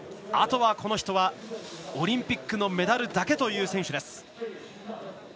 あとは、この人はオリンピックのメダルだけという選手です。